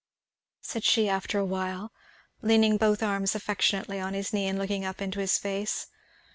said she after a little, leaning both arms affectionately on his knee and looking up into his face.